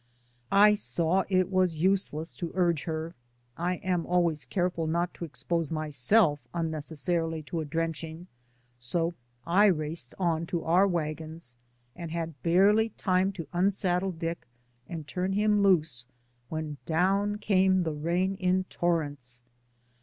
I saw it was useless to urge her. I am al ways careful not to expose myself unneces sarily to a drenching, so I raced on to our own wagons and had barely time to unsaddle Dick and turn him loose when down came the rain in torrents.